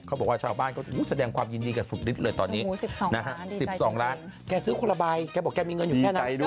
เขาบอกว่าชาวบ้านเขาอู้